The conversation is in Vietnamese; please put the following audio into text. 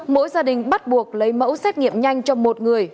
mỗi gia đình bắt buộc lấy mẫu xét nghiệm nhanh cho một người